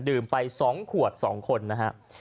ดื่มไปสองขวดสองคนนะฮะ